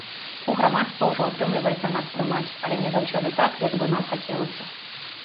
У грамадства ўжо атрымліваецца нас прымаць, але не заўсёды так, як бы нам хацелася.